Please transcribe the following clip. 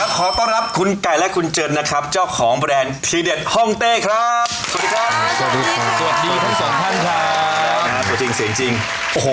ขอต้อนรับคุณไก่และคุณเจิญนะครับเจ้าของแบรนด์ทีเด็ดฮ่องเต้ครับ